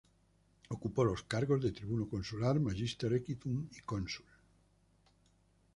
Ocupó los cargos de tribuno consular, "magister equitum" y cónsul.